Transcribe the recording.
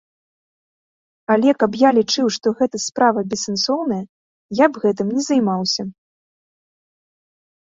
Але каб я лічыў, што гэта справа бессэнсоўная, я б гэтым не займаўся.